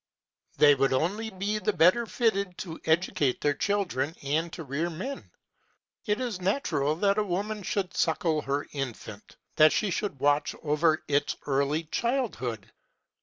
They would only be the better fitted to educate their children and to rear men. It is natural that a woman should suckle her infant; that she should watch over its early childhood.